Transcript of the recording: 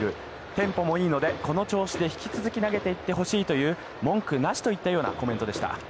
テンポもいいので、この調子で引き続き投げていってほしいという文句なしといったようなコメントでした。